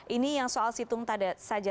ini yang soal situng tanda saja